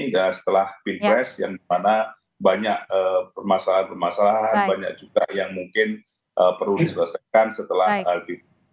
dan setelah ppres yang dimana banyak permasalahan permasalahan banyak juga yang mungkin perlu diselesaikan setelah ppres